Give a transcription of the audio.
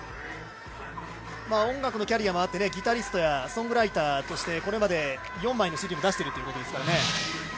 音楽のキャリアもあって、ギタリストやソングライターとしてこれまで４枚のＣＤを出しているということですからね。